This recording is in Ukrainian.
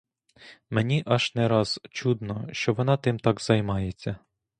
Мені аж не раз чудно, що вона тим так займається.